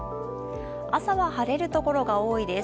朝は晴れる所が多いです。